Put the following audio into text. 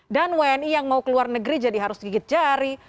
dan wni yang mau keluar negeri jadi harus gigit jari